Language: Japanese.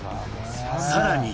さらに。